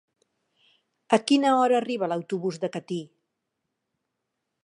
A quina hora arriba l'autobús de Catí?